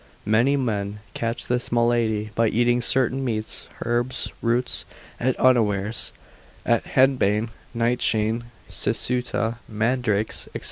Many men catch this malady by eating certain meats, herbs, roots, at unawares; as henbane, nightshade, cicuta, mandrakes, &c.